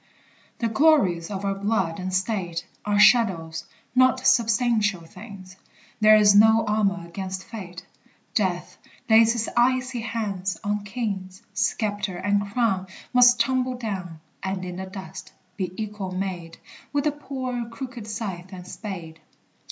] The glories of our blood and state Are shadows, not substantial things; There is no armor against fate; Death lays his icy hand on kings: Sceptre and crown Must tumble down. And in the dust be equal made With the poor crooked scythe and spade.